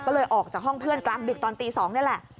ก็เลยออกจากห้องเพื่อนกลางดึกตอนตี๒นี่แหละ